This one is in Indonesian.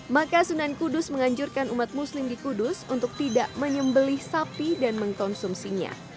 maka sunan kudus menganjurkan umat muslim di kudus untuk tidak menyembeli sapi dan mengkonsumsinya